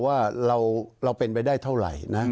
ว่าเราเป็นไปได้เท่าไหร่นะ